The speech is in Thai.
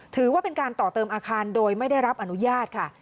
ถือว่าเป็นการต่อเติมอาคารโดยไม่ได้รับอนุญาตค่ะ